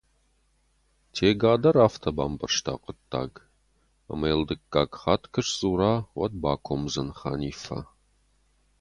Тега дӕр афтӕ бамбӕрста хъуыддаг, ӕмӕ йыл дыккаг хатт куы сдзура, уӕд бакомдзӕн Ханиффӕ.